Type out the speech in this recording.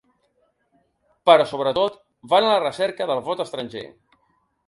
Però sobretot, van a la recerca del vot estranger.